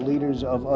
saya mau diskripsikan